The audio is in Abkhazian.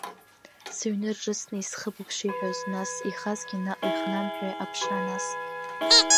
Сыҩны рҿыцны исхыбып шиҳәоз нас, иахазгьы наҟ иахнамҳәеи, аԥша анас.